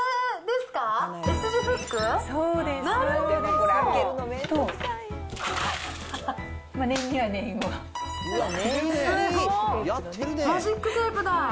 すごい、マジックテープだ。